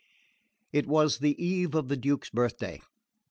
It was the eve of the Duke's birthday.